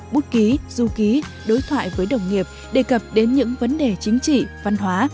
bút ký du ký đối thoại với đồng nghiệp đề cập đến những vấn đề chính trị văn hóa